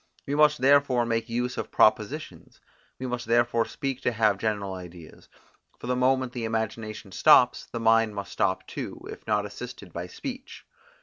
We must therefore make use of propositions; we must therefore speak to have general ideas; for the moment the imagination stops, the mind must stop too, if not assisted by speech.